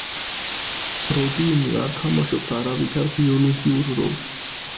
როდიუმი არ თამაშობს არავითარ ბიოლოგიურ როლს.